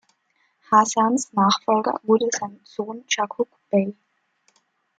Hasans Nachfolger wurde sein Sohn Yaqub Bey.